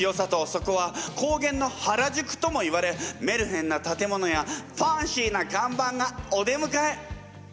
そこは高原の原宿とも言われメルヘンな建物やファンシーな看板がお出むかえ。